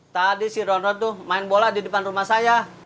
tadi si rono tuh main bola di depan rumah saya